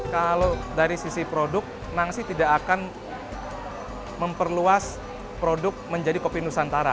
kalau dari sisi produk nangsi tidak akan memperluas produk menjadi kopi nusantara